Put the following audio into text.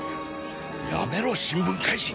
やめろ新聞怪人！